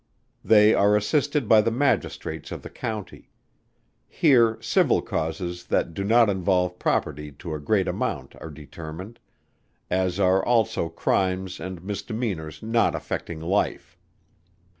They are assisted by the Magistrates of the County. Here civil causes that do not involve property to a great amount are determined, as are also crimes and misdemeanors not affecting life.